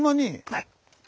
はい。